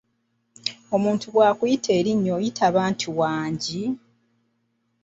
Omuntu bwakuyita erinnya oyitaba nti "Wangi?